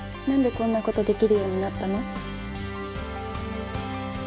何でこんなことできるようになったの？